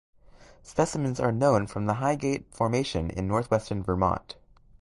Specimens are known from the Highgate Formation in northwestern Vermont.